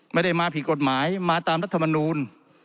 ไม่ได้มาผิดกฎหมายมาตามรัฐมนูล